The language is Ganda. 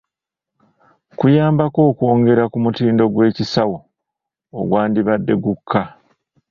Kuyambako okwongera ku mutindo gw’ekisawo ogwandibadde gukka.